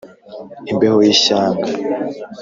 imbeho y’ishyanga